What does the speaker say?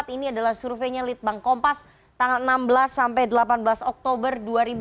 ini adalah surveinya litbang kompas tanggal enam belas sampai delapan belas oktober dua ribu dua puluh